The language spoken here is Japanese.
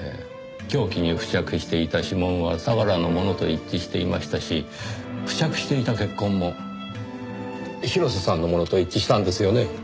凶器に付着していた指紋は相良のものと一致していましたし付着していた血痕も広瀬さんのものと一致したんですよね？